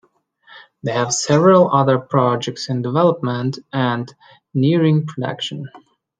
They have several other projects in development and nearing production.